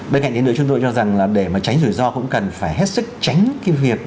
bên cạnh đấy nữa chúng tôi cho rằng là để mà tránh rủi ro cũng cần phải hết sức tránh cái việc